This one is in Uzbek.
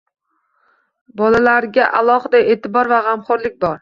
Bolalarga alohida eʼtibor va gʻamxoʻrlik bor.